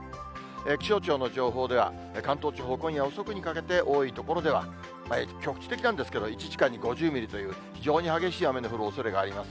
気象庁の情報では、関東地方、今夜遅くにかけて多い所では、局地的なんですけれども、１時間に５０ミリという、非常に激しい雨の降るおそれがあります。